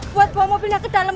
buat bawa mobilnya ke dalam